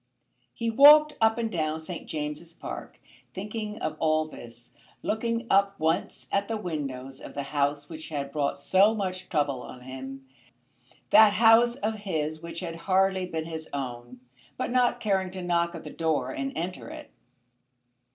He walked up and down St. James' Park thinking of all this, looking up once at the windows of the house which had brought so much trouble on him, that house of his which had hardly been his own, but not caring to knock at the door and enter it.